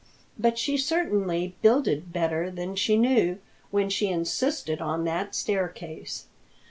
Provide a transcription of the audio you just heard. But she certainly builded better than she knew when she insisted on that staircase.